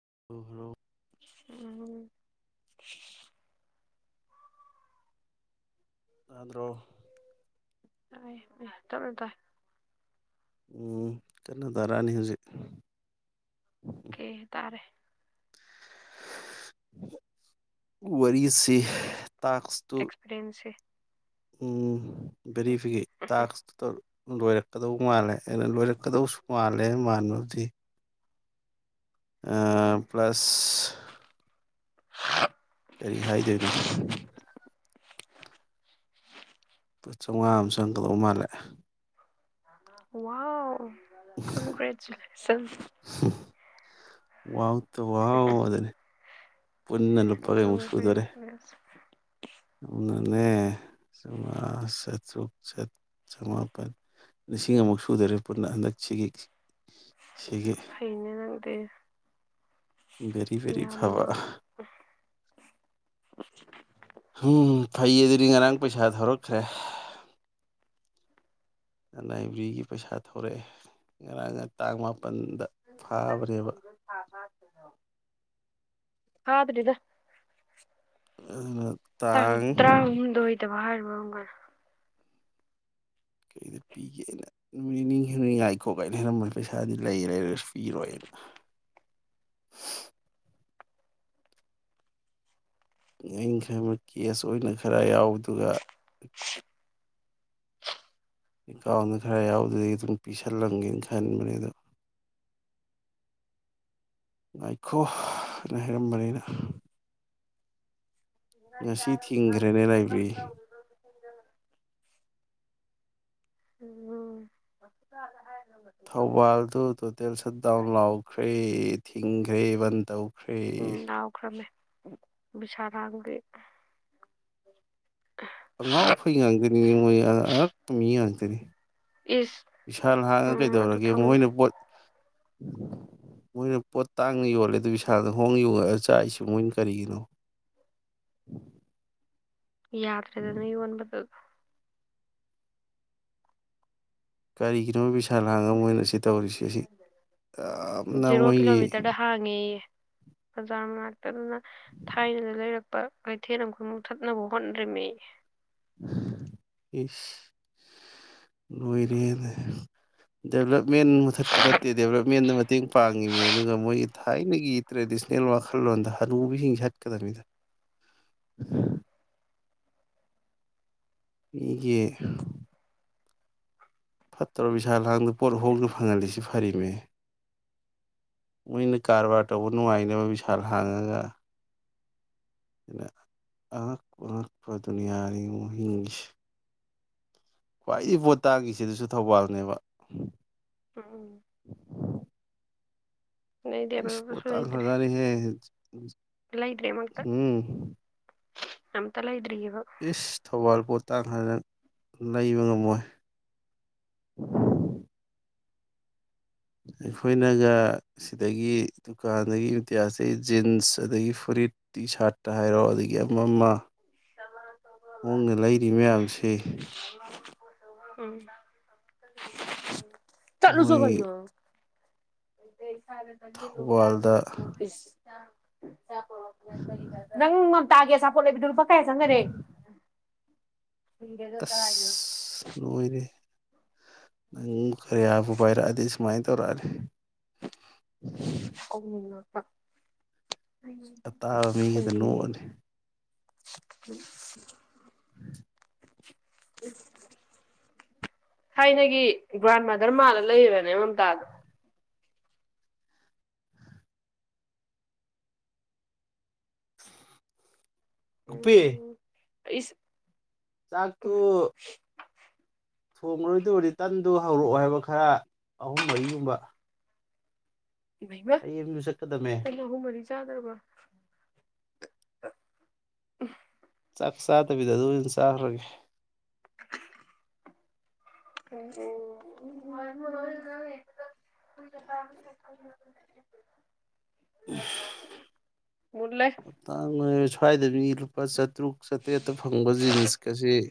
[unintelligible] ꯎꯝ ꯇꯥꯗꯔꯣ ꯇꯥꯏ ꯇꯥꯞꯅ ꯇꯥꯏ ꯎꯝ ꯀꯟꯅ ꯇꯥꯔꯛꯑꯅꯤ ꯍꯧꯖꯤꯛ ꯑꯣ ꯀꯦ ꯇꯥꯔꯦ ꯋꯥꯔꯤ ꯇꯥꯛꯁꯇꯨ ꯑꯦꯛꯁꯄꯤꯔꯤꯌꯦꯟꯁꯁꯦ ꯎꯝ ꯕꯦꯔꯤꯐꯤꯀꯦ ꯇꯥꯛꯁꯇꯨ ꯂꯣꯏꯔꯛꯀꯗꯧ ꯃꯥꯜꯂꯦ ꯍꯩꯅ ꯂꯣꯏꯔꯛꯀꯗꯧꯁꯨ ꯃꯥꯜꯂꯦ ꯃꯥꯟꯕꯕꯨꯗꯤ ꯄ꯭ꯂꯁ ꯍꯥ ꯀꯔꯤ ꯍꯥꯏꯗꯣꯏꯅꯣ ꯂꯨꯄꯥ ꯆꯥꯝꯃꯉꯥ ꯑꯃ ꯆꯪꯒꯀꯗꯧꯕ ꯃꯥꯜꯂꯦ ꯋꯥ ꯀꯣꯡ ꯀꯁꯤ [unintelligible] ꯎꯝ ꯋꯥꯥꯎ ꯇꯋꯥꯗꯅꯤ ꯄꯨꯟꯅ ꯂꯨꯄꯥ ꯀꯩꯃꯨꯛ ꯁꯨꯗꯣꯔꯦ ꯀꯪꯒ꯭ꯔꯦꯆꯨꯂꯦꯁꯟ ꯑꯗꯨꯅꯦ ꯆꯥꯃꯉꯥ ꯆꯥꯇ꯭ꯔꯨꯛ ꯆꯃꯥꯄꯜ ꯂꯤꯁꯤꯡ ꯑꯃꯨꯛ ꯁꯨꯗꯔꯦ ꯄꯨꯟꯅ ꯍꯟꯗꯛꯁꯤꯒꯤ ꯁꯤꯒꯤ ꯐꯩꯅꯦ ꯅꯪꯗꯤ ꯕꯦꯔꯤꯕꯦꯔꯤ ꯐꯕ ꯌꯥꯝꯅ ꯎꯝ ꯐꯩ ꯑꯗꯨꯗꯤ ꯉꯔꯥꯡ ꯄꯩꯁꯥ ꯊꯧꯔꯛꯈ꯭ꯔꯦ ꯂꯥꯏꯕ꯭ꯔꯦꯔꯤꯒꯤ ꯄꯩꯁꯥ ꯊꯧꯔꯛꯑꯦ ꯉꯔꯥꯡ ꯇꯥꯡ ꯃꯥꯄꯜꯗ ꯐꯥꯕꯅꯦꯕ [unintelligible] ꯐꯥꯗꯔ꯭ꯤꯗ ꯇꯥꯡ ꯇ꯭ꯔꯥꯍꯨꯝꯗꯣꯏꯗ ꯐꯥꯔꯅꯤ [unintelligible] ꯀꯩꯗ ꯄꯤꯒꯦꯅ ꯅꯨꯃꯤꯠ ꯍꯦꯉꯥꯏ ꯈꯣꯠ ꯀꯥꯏꯅ ꯈꯔꯝꯕ ꯄꯩꯁꯥꯗꯤ ꯂꯩꯔ ꯂꯩꯔꯁꯨ ꯄꯤꯔꯣꯏꯅ ꯑꯩꯅ ꯈꯕ ꯀꯦꯁ ꯑꯣꯏꯅ ꯈꯔ ꯌꯥꯎ ꯑꯗꯨꯒ ꯑꯦꯀꯥꯎꯟꯗ ꯈꯔ ꯌꯥꯎꯗꯗꯒꯤ ꯑꯗꯨꯝ ꯄꯤꯁꯜꯂꯝꯒꯦꯅ ꯈꯟꯕꯅꯦ ꯑꯗꯣ ꯉꯥꯏꯈꯣꯅ ꯍꯥꯏꯔꯝꯕꯅꯤꯅ ꯏ ꯆ ꯉꯁꯤ ꯊꯤꯡꯈ꯭ꯔꯦꯅꯦ ꯐꯝ ꯂꯥꯏꯕ꯭ꯔꯦꯔꯤ ꯇ ꯎꯝ ꯊꯧꯕꯥꯜꯗꯨ ꯇꯣꯇꯦꯜ ꯁꯠ ꯗꯥꯎꯟ ꯂꯥꯎꯈ꯭ꯔꯦ ꯊꯤꯡꯈ꯭ꯔꯦ ꯕꯟ ꯇꯧꯈ꯭ꯔꯦ ꯕꯤꯁꯥꯗ ꯉ ꯑꯉꯥꯎ ꯐꯩ ꯉꯇꯅꯤꯅꯦ ꯃꯣꯏ ꯑꯉꯛꯄ ꯃꯤ ꯉꯥꯡꯇꯅꯤ ꯏꯁ ꯏꯁꯥ ꯍꯥꯡꯉ ꯎꯝ ꯑꯗꯨ ꯀꯩꯗꯧꯔꯒꯦ ꯊꯝꯃꯨ ꯃꯈꯣꯏꯅ ꯄꯣꯠ ꯃꯣꯏꯅ ꯄꯣꯠ ꯇꯥꯡꯅ ꯌꯣꯜꯂꯦ ꯑꯗꯨ ꯏꯁꯥꯗ ꯍꯣꯡ ꯌꯣꯉꯛꯒ ꯆꯥꯛꯏꯁꯤꯦ ꯃꯣꯏꯅ ꯀꯔꯤꯒꯤꯅꯣ ꯌꯥꯗꯗꯅ ꯋꯥꯕꯗ ꯀꯔꯤꯒꯤꯅꯣꯕꯤ ꯁꯂꯥꯡ ꯑꯃ ꯑꯣꯏꯅ ꯁꯤ ꯇꯧꯔꯤꯁꯤ ꯑꯁꯤ ꯌꯥꯝꯅ ꯖꯦꯔꯣ ꯃꯣꯏꯒꯤ ꯀꯤꯂꯣꯃꯤꯇꯔꯗ ꯍꯥꯡꯉꯦꯌꯦ ꯕꯖꯥꯔ ꯃꯅꯥꯛꯇꯗꯨꯅ ꯊꯥꯏꯅꯗ ꯂꯩꯔꯛꯄ ꯀꯩꯊꯦꯜ ꯑꯃꯈꯃꯨꯛ ꯊꯠꯅꯕ ꯍꯣꯠꯅꯔꯤꯝꯃꯤ ꯂꯣꯏꯔꯤꯗ ꯗꯦꯚꯂꯞ ꯃꯦꯟ ꯃꯨꯊꯠꯄꯠꯇꯦꯦꯕꯦꯟ ꯃꯇꯦꯡ ꯄꯥꯡꯉꯤꯃꯤ ꯑꯗꯨꯒ ꯃꯣꯏꯒꯤ ꯊꯥꯏꯅꯒꯤ ꯇ꯭ꯔꯦꯗꯤꯁꯅꯦꯜ ꯋꯥꯈꯜꯂꯣꯟꯗ ꯍꯅꯨꯕꯤꯁꯤꯡ ꯆꯠꯀꯗꯅꯤꯗ ꯑꯩꯒꯤ ꯐꯠꯇ꯭ꯔꯣ ꯕꯤꯁꯥꯜ ꯍꯥꯡꯗ ꯄꯣꯠ ꯍꯧꯣꯡꯗꯅ ꯐꯪꯍꯜꯂꯤꯁꯤ ꯐꯔꯤꯅꯦ ꯃꯣꯏꯅ ꯀꯔꯕꯥꯔ ꯇꯧꯕ ꯅꯨꯡꯉꯥꯏꯅꯕ ꯕꯤꯁꯥꯜ ꯍꯥꯡꯉꯒ ꯑꯔꯛ ꯑꯔꯛꯄ ꯗꯨꯅꯤꯌꯥꯒꯤ ꯃꯍꯤꯡꯁ ꯈ꯭ꯋꯥꯏꯗꯒꯤ ꯄꯣꯠ ꯇꯥꯉꯁꯤ ꯑꯗꯨꯁꯨ ꯊꯧꯕꯥꯜꯅꯦꯕ ꯎꯝ ꯎ ꯄꯤꯁ ꯄꯣꯇꯥ ꯂꯩꯇ꯭ꯔꯦ ꯈꯔꯖꯅꯤ ꯍꯦ ꯎꯝ ꯅꯝ ꯇꯂ ꯏꯦ ꯏꯁꯁ ꯊꯕ ꯄ ꯇꯥꯡ ꯐꯅ ꯂꯩꯕ ꯉꯝꯃꯣꯏ ꯑꯩꯈꯣꯏꯅꯒ ꯁꯤꯗꯒꯤ ꯗꯨꯀꯥꯟꯗꯒꯤ ꯏꯨꯇꯤꯌꯥꯁꯦ ꯖꯤꯟꯁ ꯑꯗꯒꯤ ꯐꯨꯔꯤꯠ ꯇꯤ ꯁꯥꯔꯠꯇ ꯍꯥꯏꯔꯣ ꯑꯗꯒꯤ ꯑꯃ ꯑꯃ ꯍꯣꯡꯅ ꯂꯩꯔꯤ ꯃꯌꯥꯝꯁꯤ ꯝ ꯆꯠꯂꯨꯁꯨꯣ ꯀꯅ ꯃꯣꯏ ꯑꯣꯗ ꯁꯦ ꯂꯝ ꯂꯒ ꯊꯧꯕꯥꯜꯗ ꯌꯥꯐꯤꯁ [unintelligible] ꯇꯥꯦꯄꯣꯦ ꯀꯥꯏ ꯁꯪꯒ ꯔꯦ ꯑꯁ ꯅꯨꯡꯉ ꯑꯣꯏꯔꯦ ꯅꯪ ꯈꯔꯦꯕꯨꯚꯥꯏꯔꯗꯤ ꯁꯨꯃꯥꯏꯅ ꯇꯧꯔꯔꯦ ꯀꯅ ꯑ ꯑꯇꯥꯕ ꯃꯤꯒꯤꯗ ꯅꯣꯛꯑꯅꯤ ꯎ [unintelligible] ꯊꯥꯏꯅꯒꯤ ꯒ꯭ꯔꯥꯟ ꯃꯥꯗꯔ ꯃꯥꯜꯂ ꯂꯩꯕꯅꯦ ꯃꯝꯇꯥꯗ ꯄꯤ ꯏꯁ ꯆꯥꯛꯇꯨ ꯊꯣꯡꯉꯔꯣꯏꯗ ꯔꯤꯇꯟꯗꯨ ꯍꯧꯔꯛꯑꯣ ꯍꯥꯏꯕ ꯈꯔ ꯑꯍꯨꯝ ꯃꯔꯤꯒꯨꯝꯕ ꯃꯃ ꯑꯩ ꯑꯦꯝ ꯌꯨ ꯆꯠꯀꯗꯝꯃꯦ ꯀꯃ ꯍꯨ ꯃꯔꯤ ꯆꯥꯗꯔꯔꯕ ꯆꯥꯛ ꯁꯥꯇꯕꯤꯤꯗ ꯑꯗꯨ ꯆꯠꯔꯣꯏꯒ ꯑꯣ ꯃꯨꯠꯂꯦ ꯍꯞꯇꯥꯡ ꯁ꯭ꯋꯥꯏꯗꯗꯒꯤ ꯂꯨꯄꯥ ꯆꯥꯇ꯭ꯔꯨꯛ ꯆꯥꯇ꯭ꯔꯦꯠꯇ ꯐꯪꯕ ꯖꯤꯟꯁꯀ ꯑꯁꯤꯦ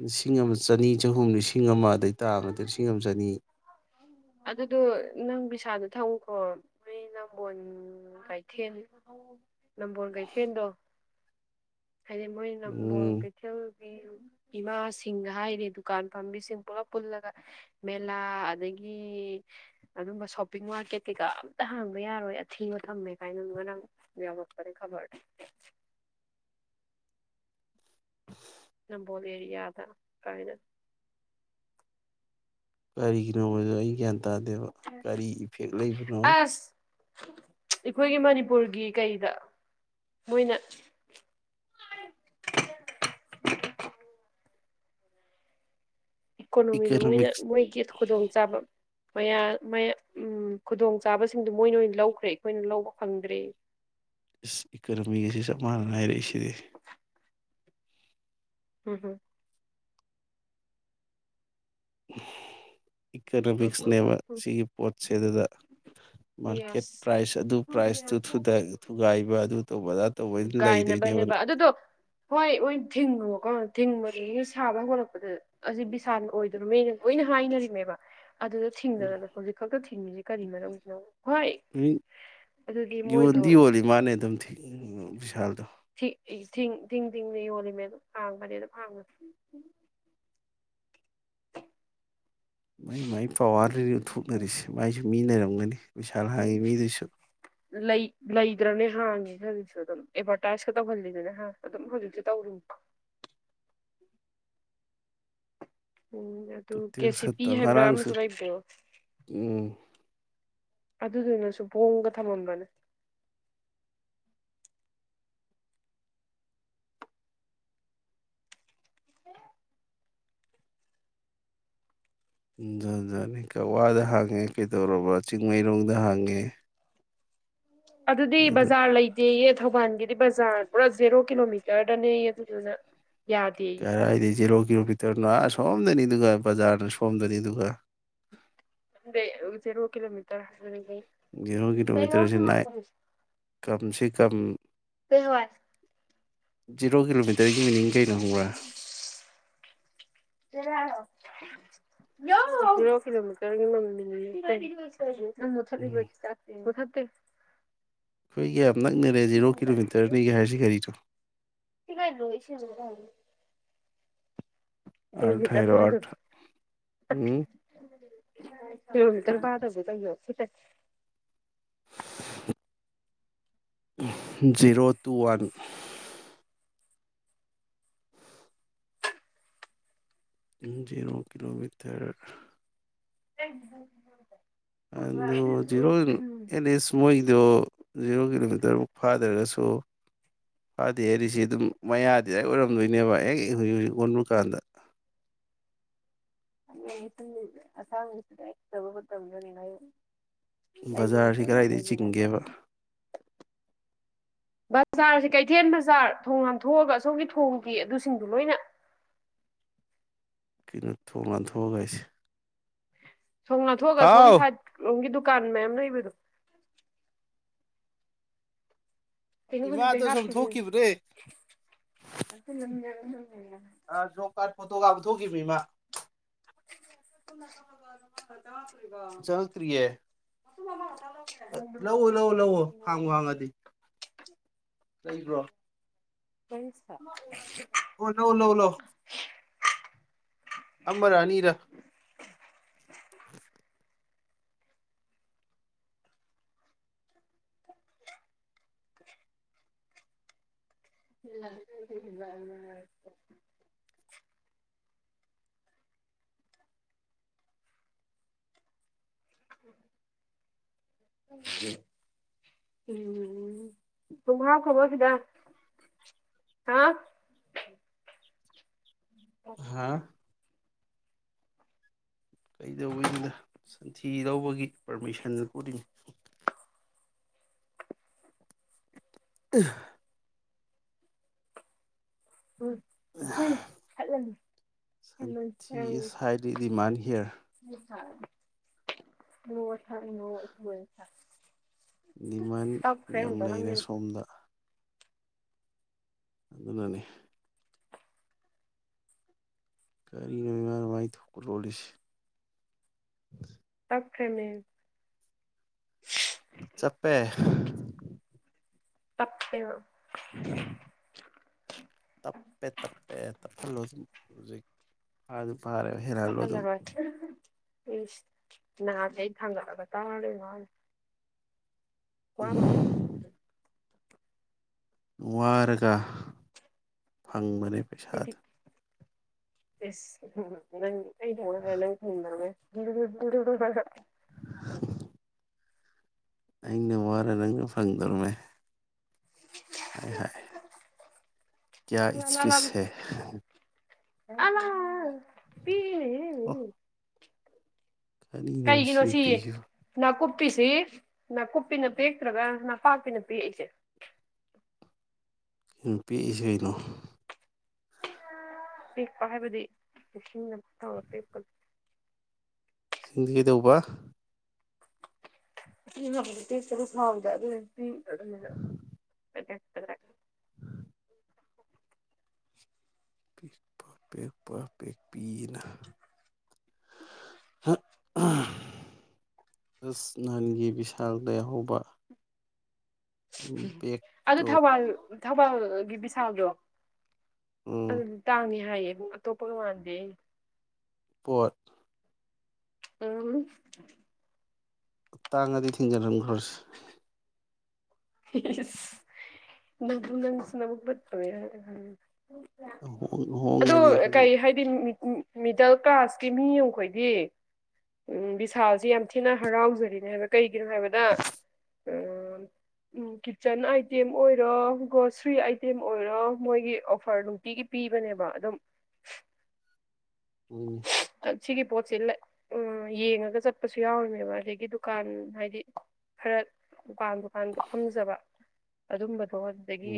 ꯂꯤꯁꯤꯡ ꯑꯃ ꯁꯅꯤ ꯆꯍꯨꯝ ꯂꯤꯁꯤꯡ ꯑꯃ ꯑꯗꯩ ꯇꯥ ꯑꯃꯗ ꯂꯤꯁꯤꯡ ꯑꯃ ꯆꯅꯤ ꯍ ꯅꯣꯏ ꯅꯝꯕꯣꯣꯟ ꯀꯩꯊꯦꯟ ꯅꯝꯕꯣꯣꯟ ꯀꯩꯊꯦꯟꯗꯣ ꯍꯥꯏꯗꯤ ꯃꯣꯏꯅ ꯕꯣꯜ ꯎꯝ ꯀꯩꯊꯦꯜꯒꯤ ꯏꯃꯥ ꯁꯤꯡ ꯍꯥꯏꯔꯦ ꯗꯨꯀꯥꯟ ꯄꯥꯝꯕꯤꯁꯤꯡ ꯄꯨꯂꯞ ꯄꯨꯜꯂꯒ ꯃꯦꯂꯥ ꯑꯗꯒꯤ ꯑꯗꯨꯝꯕ ꯁꯣꯞꯄꯤꯡ ꯃꯥꯔꯀꯦꯠ ꯀꯩꯀꯥ ꯑꯝꯇ ꯍꯥꯡꯕ ꯌꯥꯔꯣꯏ ꯑꯊꯤꯕ ꯊꯝꯃꯦ ꯀꯥꯏꯅ ꯑꯗꯨ ꯉ ꯅꯥꯡ ꯌꯥꯎꯔꯛꯄꯅꯤ ꯈꯕꯔꯗ [unintelligible] ꯅꯝꯕꯣꯜ ꯑꯦꯔꯤꯌꯥꯗ ꯀꯥꯏꯅ ꯀꯔꯤꯒꯤꯅꯣ ꯍꯥꯏꯗ ꯑꯩ ꯒ꯭ꯌꯥꯟ ꯇꯥꯗꯦꯕ ꯀꯔꯤ ꯏꯐꯦꯛ ꯂꯩꯕꯅꯣ ꯑꯁ ꯑꯩꯈꯣꯏꯒꯤ ꯃꯅꯤꯄꯨꯔꯒꯤ ꯀꯩꯗ ꯃꯣꯏꯅ ꯏꯀꯣꯅꯣꯃꯤꯗ ꯃꯣꯏꯅ ꯏꯀꯅꯣꯃꯤꯛꯁ ꯃꯣꯏꯒꯤ ꯈꯨꯗꯣꯡꯆꯥꯥꯕ ꯌꯥ ꯎꯝ ꯈꯨꯗꯣꯡꯆꯥꯥꯕꯁꯤꯡꯗꯨꯣ ꯃꯣꯏꯅ ꯑꯣꯏꯅ ꯂꯧꯈ꯭ꯔꯦ ꯑꯩꯈꯣꯏꯅ ꯂꯧꯕ ꯐꯪꯗ꯭ꯔꯦ ꯏꯁ ꯏꯀꯔꯃꯤ ꯑꯁꯤ ꯆꯞ ꯃꯥꯟꯅꯅ ꯍꯥꯏꯔꯛꯏꯁꯤꯗꯤ ꯍꯝ ꯍꯝ [unintelligible] ꯏꯀꯣꯅꯣꯃꯤꯛꯁꯅꯦꯕ ꯎꯝ ꯁꯤꯒꯤ ꯄꯣꯠꯁꯦ ꯑꯗꯨꯗ ꯃꯥꯔꯀꯦꯠ ꯌꯦꯁ ꯄ꯭ꯔꯥꯏꯁ ꯑꯗꯨ ꯄ꯭ꯔꯥꯏꯖꯇꯨ ꯊꯨꯒꯥꯏꯕ ꯑꯗꯨ ꯇꯧꯕ ꯑꯗꯥ ꯇꯧꯕ ꯂꯩꯗꯣꯏꯅꯦꯕ ꯒꯥꯏꯅꯕꯅꯦꯕ ꯑꯗꯨꯗꯣ ꯊꯤꯡ ꯃꯔꯤꯒꯤ ꯁꯥꯕ ꯍꯧꯔꯛꯄꯗ ꯑꯁꯤ ꯕꯤꯁꯥꯜ ꯑꯣꯏꯗꯔꯅꯦꯅ ꯂꯣꯏꯅ ꯍꯥꯏꯅꯔꯤꯃꯦꯕ ꯑꯗꯨꯗ ꯊꯤꯡꯅꯔꯅꯕ ꯍꯧꯖꯤꯛ ꯈꯛꯇ ꯊꯤꯡꯉꯁꯤ ꯀꯔꯤ ꯃꯔ ꯎꯗꯅ ꯃꯣꯏꯗꯣ ꯌꯣꯟꯗꯤ ꯌꯣꯜꯂꯤ ꯃꯥꯅꯦ ꯑꯗꯨꯝ ꯕꯤꯁꯥꯜꯗꯣ ꯊꯤꯡ ꯊꯤꯡ ꯊꯤꯡ ꯊꯤꯡꯅꯤ ꯌꯣꯜꯂꯤꯃꯦ ꯑꯗꯨꯝ ꯍꯥꯡꯕꯅꯤ ꯑꯗꯨꯝ ꯍꯥꯡꯉꯅꯤ ꯃꯥꯏ ꯃꯥꯏ ꯄꯋꯥꯔ ꯎꯊꯣꯛꯅꯔꯤꯁꯦ ꯃꯥꯏꯁꯨ ꯃꯤꯅꯔꯝꯒꯅꯤ ꯎꯝ ꯂꯩ ꯂꯩꯗ꯭ꯔꯅꯦ ꯍꯥꯡꯉ ꯑꯗꯨꯝ ꯑꯦꯚꯔꯇꯥꯏꯖ ꯈ ꯇꯧꯍꯜꯂꯤꯗꯦꯅꯦ ꯍꯥ ꯑꯗꯨꯝ ꯍꯧꯖꯤꯛꯁꯨ ꯇꯧꯔꯨ ꯎꯝ ꯑꯗꯨ ꯀꯦ ꯁꯤ ꯄꯤ ꯍꯥꯏꯕ꯭ꯔꯥ ꯉꯔꯥꯡꯁꯨ ꯑꯁꯨ ꯂꯩꯕꯣ ꯎꯝ ꯑꯗꯨꯗꯨꯅꯁꯨ ꯣꯡꯝꯒ ꯊꯝꯃꯝꯕꯅꯦ ꯖꯥ ꯖꯥꯠꯅꯤ ꯀꯛꯋꯥꯗ ꯍꯥꯡꯉꯦ ꯀꯩꯗꯧꯔꯕ ꯆꯤꯡꯃꯩꯔꯣꯡꯗ ꯍꯥꯡꯉꯦ ꯑꯗꯨꯗꯤ ꯑꯗꯨ ꯕꯖꯥꯔ ꯂꯩꯇꯦꯌꯦ ꯊꯧꯕꯥꯜ ꯗꯤ ꯖꯥꯔ ꯄꯨꯔ ꯖꯖꯤꯔꯣ ꯀꯂꯣꯃꯤꯇꯔꯗꯅꯦ ꯑꯗꯨꯖ ꯀꯔꯥꯏꯗꯤꯖꯦꯔꯣꯒꯤ ꯀꯤꯂꯣꯚꯇꯔꯅ ꯑꯥ ꯁꯣꯝꯗꯅꯤꯗꯨ ꯕꯖꯥꯔꯅ ꯁꯣꯝꯗꯅꯤ ꯑꯗꯨꯒ ꯃꯗꯦ ꯆꯦꯔ ꯍ ꯀꯤꯂꯣꯃꯤꯇ꯭ꯔ ꯖꯤꯦꯔꯣ ꯀꯤꯂꯣꯃꯤꯇꯔꯁꯦ ꯅꯥꯏ ꯀꯝꯁꯦ ꯀꯝ ꯖꯤꯔꯣ ꯀꯤꯂꯣꯃꯤꯇꯔꯒꯤ ꯃꯤꯅꯤꯡ ꯀꯩꯅꯣ ꯍꯪꯕ꯭ꯔꯥ ꯣ ꯀꯔ ꯅꯪ ꯎꯝ ꯃꯊꯠꯗꯤꯕ ꯆꯦ ꯃꯊ ꯦ ꯑꯩꯈꯣꯏꯒꯤ ꯌꯥꯝ ꯅꯛꯅꯔꯦ ꯖꯤꯦꯔꯣ ꯀꯤꯂꯣꯃꯤꯇꯔꯅꯤꯒꯤ ꯍꯥꯏꯔꯤꯁꯤ ꯀꯔꯤꯅꯣ ꯀꯤꯂꯣꯃꯤꯇꯔ ꯑꯥꯏꯔꯣ ꯐꯥꯗꯕ ꯑꯠ ꯎꯝ ꯎ ꯇꯔꯕꯥꯗꯒꯦ ꯀꯣ ꯁꯤꯛꯇ zero two one zero kilometre [unintelligible] ꯑꯗꯨꯗ ꯖꯤꯔꯣ ꯑꯦ ꯑꯦ ꯏꯁꯃꯣꯏꯗ ꯖꯤꯔꯣꯒꯤꯃꯤ ꯑꯗꯨꯨꯛ ꯐꯥꯗ꯭ꯔꯒꯁꯨ ꯐꯥꯗꯦ ꯍꯥꯏꯔꯤꯁꯤ ꯑꯗꯨꯝ ꯃꯌꯥꯗꯤ ꯂ ꯑꯣꯏꯔꯝꯗꯣꯏꯅꯦꯕ ꯍꯦꯛ ꯍꯧꯖꯤꯛ ꯍꯧꯖꯤꯛ ꯑꯣꯟꯕ ꯀꯥꯟꯗ ꯏ ꯁꯥꯡꯅꯤ ꯕꯖꯥꯔꯁꯤ ꯀꯗꯥꯏꯗꯒꯤ ꯆꯤꯡꯒꯦꯕ ꯕꯖꯥꯔꯁꯤ ꯀꯩꯊꯦꯜ ꯕꯖꯥꯔ ꯊꯣꯡ ꯍꯥꯝꯊꯣꯛꯑꯒ ꯑꯁꯣꯝꯒꯤ ꯊꯣꯡꯒꯤ ꯑꯗꯨꯁꯤꯡꯗꯨ ꯂꯣꯏꯅ ꯀꯩꯅꯣ ꯊꯣꯡꯉꯥꯟꯊꯣꯛꯑꯒ ꯑꯩꯁꯦ ꯁꯣꯝ ꯅꯥꯊꯣꯛꯑꯒ ꯁꯣꯝ ꯍꯥꯎ ꯁꯥꯏꯠꯣꯝꯒꯤꯗꯨ ꯀꯥꯟ ꯃꯌꯥꯝꯅ ꯃꯗꯣ ꯏꯃꯥꯗꯣ ꯁꯨꯝ ꯇꯗꯤꯗ ꯊꯣꯛꯈꯤꯕꯅꯦ ꯍꯥ ꯑꯗꯨ ꯑ ꯖꯣꯕ ꯀꯥꯔꯗ ꯐꯣꯇꯣ ꯀꯥꯞ ꯄꯨꯊꯣꯛꯈꯤꯕ ꯏꯃꯥ ꯆꯪꯉꯛꯇ꯭ꯔꯤꯌꯦ ꯂꯧꯎ ꯂꯥꯛꯎ ꯂꯥꯛꯎ ꯍꯥꯡꯉꯨ ꯍꯥꯡꯉꯗꯤ ꯂꯩꯕ꯭ꯔꯣ ꯑꯣ ꯂꯧ ꯂꯧ ꯂ ꯑꯃꯃꯔꯅꯤꯔ [unintelligible] [unintelligible] ꯎꯝ ꯇꯨꯡꯥꯎ ꯈꯕꯔ ꯁꯤꯗ ꯍꯥ ꯍꯥ ꯀꯩꯗꯧꯕꯗ ꯁꯟꯊꯤ ꯂꯧꯕꯒꯤ ꯄꯥꯔꯃꯤꯁꯟꯗꯨ ꯎꯔꯤꯅꯤ ꯑ ꯎꯝ ꯎꯝꯜꯂ ꯁꯟꯊꯤ ꯏꯁ ꯍꯥꯏꯥꯏꯠ ꯗꯤꯃꯥꯟ ꯍꯤꯌꯔ ꯃ ꯊ ꯃ ꯃ ꯊ ꯗꯤꯃꯥꯟ ꯌꯥꯝ ꯂꯩꯔꯦ ꯁꯣꯝꯗ ꯑꯗꯨꯅꯅꯦ ꯀꯔꯤ ꯃꯃꯤꯃꯔ ꯃꯥꯥꯏ ꯊ ꯔꯣꯂꯤꯁ ꯑꯈꯅꯦ ꯆꯞꯄꯦ ꯇꯞꯦꯕ ꯇꯄꯦ ꯇꯞ ꯇꯞꯍꯜꯂꯣ ꯑꯗꯨꯝ ꯍꯧꯖꯤꯛꯝ ꯃꯥꯔꯦ ꯍꯦꯔꯜꯂꯣ ꯑꯗꯨꯝ ꯎ ꯅꯍꯥꯗꯤ ꯑꯩ ꯊꯥꯡꯒꯠꯂꯒ ꯇꯥꯔꯔꯣꯏ ꯃꯥꯅꯤ ꯀꯅꯥ ꯄꯨꯁ ꯅꯨꯉ ꯔꯒꯥ ꯐꯪꯕ ꯄꯩꯁ ꯍꯥꯗ ꯁ ꯅꯪ ꯑꯩ ꯅꯪ ꯍ ꯑꯩꯩꯅ ꯋꯥꯔꯦ ꯅꯪꯅ ꯐꯪ ꯇꯔꯃꯦ ꯍꯥꯏ ꯍꯥꯏ ꯀꯌꯥ ꯑꯦꯁꯀ꯭ꯌꯨꯁꯁ ꯑꯅꯥ ꯄꯤ ꯑꯣ ꯀꯔꯤꯅꯣ ꯀꯩꯒꯤꯅꯣ ꯁꯤ ꯁꯤꯌꯦ ꯅꯨꯄꯤꯁꯨ ꯅꯥꯀꯨꯞ ꯅꯥꯨꯞꯄꯤꯁꯤ ꯅꯥꯀꯨꯞꯄꯤꯅ ꯄꯦꯛꯛꯇ꯭ꯔꯒ ꯅꯄꯥꯛꯄꯤꯅ ꯄꯦꯛ ꯑꯩꯁꯦ ꯄꯤꯛꯏꯁꯦ ꯀꯩꯅꯣ ꯄꯤꯦꯛꯄ ꯍꯥꯏꯕꯗꯤ ꯅꯤꯡꯁꯤꯡ ꯇꯧꯔ ꯄꯦꯛꯄ ꯁꯤꯡꯗꯤ ꯀꯩꯗꯧꯕ ꯉꯁ ꯇꯔ ꯁꯅꯥꯗ ꯑꯗꯨ ꯎꯝ [unintelligible] ꯎꯝ [unintelligible] ꯄꯤꯛ ꯄ ꯄꯤꯛ ꯄ ꯄꯛ ꯄꯤꯅ ꯍ ꯑꯁ ꯅꯍꯥꯟꯒꯤ ꯕꯤꯚꯤꯁꯥꯜꯗ ꯌꯥꯍꯧꯕ ꯑꯗꯨ ꯊꯧꯕꯥꯜ ꯊꯕꯥꯜ ꯒꯤꯕꯤꯁꯥꯎꯗꯣ ꯑꯗꯨ ꯎꯝ ꯇꯥꯡꯉꯦ ꯍꯥꯏꯌꯦꯛꯇꯣ ꯄꯒꯋꯥꯗ ꯄꯣꯠ ꯑꯝ ꯇꯥꯡꯒꯗꯤ ꯊꯤꯡꯖꯔꯝ ꯈꯔ ꯅꯪ ꯅꯪꯁꯨ ꯅꯛꯠꯇꯃꯦꯦ ꯌꯥ ꯍꯣꯡ ꯍꯣꯡꯉꯗꯤ ꯍꯧꯗꯤ ꯀꯩ ꯍꯥꯏꯗꯤ ꯃꯤꯗꯜ ꯀ꯭ꯂꯥꯁꯀꯤ ꯃꯤꯈꯣꯏꯗꯤ ꯎ ꯕꯤꯚꯤꯁꯥꯜꯁꯤ ꯌꯥꯝ ꯊꯤꯅ ꯍꯔꯥꯎꯖꯔꯤꯅꯦ ꯍꯥꯏꯕ ꯀꯩ ꯀꯩꯅꯣ ꯍꯥꯏꯕꯗ ꯎꯝ ꯎꯝ ꯀꯤꯠꯆꯟ ꯑꯥꯏꯇꯦꯝ ꯑꯣꯏꯔꯣ ꯒ꯭ꯔꯣꯁꯔꯤ ꯑꯥꯏꯇꯦꯝ ꯑꯣꯏꯔꯣ ꯃꯣꯏꯒꯤ ꯑꯣꯐꯔ ꯅꯨꯡꯇꯤꯒꯤ ꯄꯤꯕꯅꯦꯕ ꯑꯗꯨꯝ ꯎꯝ ꯀ ꯆꯤꯒꯤ ꯄꯆꯂ ꯎꯝ ꯌꯦꯡꯉꯒ ꯆꯠꯄꯁꯨ ꯌꯥꯎꯔꯤꯅꯦꯕ ꯑꯗꯒꯤ ꯗꯨꯀꯥꯟ ꯍꯥꯏꯗꯤ ꯈꯔ ꯗꯨꯀꯥꯟꯗꯣ ꯃꯄꯥꯟꯒ ꯐꯝꯖꯕ ꯑꯗꯨ ꯣꯗꯗꯒꯤ